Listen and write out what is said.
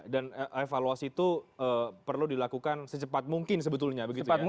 dan evaluasi itu perlu dilakukan secepat mungkin sebetulnya